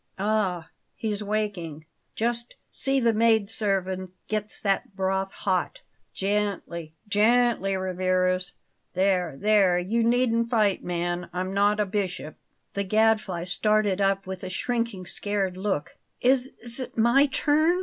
Ah, he's waking! Just see the maidservant gets that broth hot. Gently gently, Rivarez! There, there, you needn't fight, man; I'm not a bishop!" The Gadfly started up with a shrinking, scared look. "Is it my turn?"